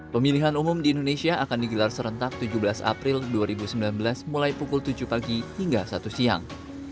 pemilihan umum di indonesia akan digelar serentak tujuh belas april dua ribu sembilan belas mulai pukul tujuh pagi hingga satu siang